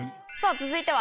続いては。